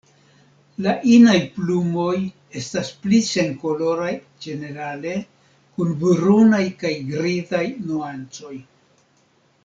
La inaj plumoj estas pli senkoloraj ĝenerale kun brunaj kaj grizaj nuancoj.